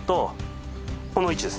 この位置です。